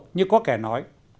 như có kẻ nói